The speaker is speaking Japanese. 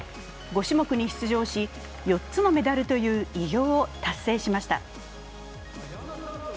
５種目に出場し、４つのメダルという偉業を達成しました。